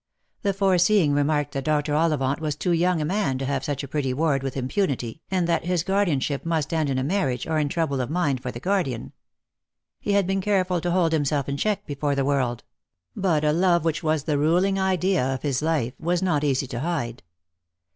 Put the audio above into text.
The foreseeing remarked that Dr. Ollivant was too young a man to have such 248 Lost for Love. a pretty ward with impunity, and that his guardianship must end in a marriage, or in trouble of mind for the guardian. He had been careful to hold himself in check before the world ; but a love which was the ruling idea of his life was not easy to , hide.